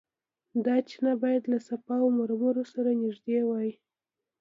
دا چینه باید له صفا او مروه سره نږدې وای.